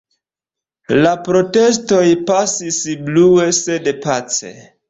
La protestoj pasis brue, sed pace.